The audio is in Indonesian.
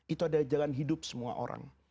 itu adalah jalan hidup semua orang